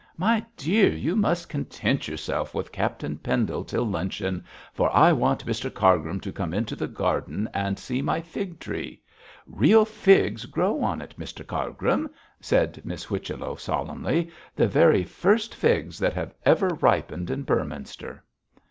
'My dear, you must content yourself with Captain Pendle till luncheon, for I want Mr Cargrim to come into the garden and see my fig tree; real figs grow on it, Mr Cargrim,' said Miss Whichello, solemnly, 'the very first figs that have ever ripened in Beorminster.'